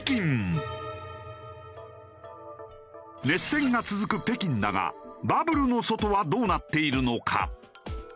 熱戦が続く北京だがバブルの外はどうなっているのか？